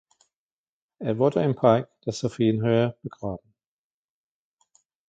Er wurde im Park der Sophienhöhe begraben.